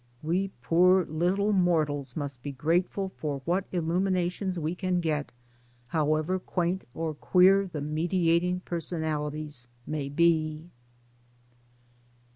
We poor little mortals must be grateful for what illuminations we can get, however quaint or queer the mediating per sonalities may be.